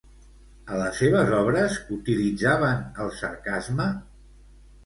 A les seves obres utilitzaven el sarcasme?